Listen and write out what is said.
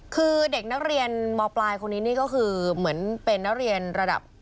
คือเด็กนักเรียนมปลายคนนี้นี่ก็คือเหมือนเป็นนักเรียนระดับ